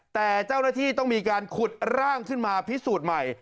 แต่เจ้าหน้าที่ต้องมีการขุดร่างขึ้นมาพิสูจน์ใหม่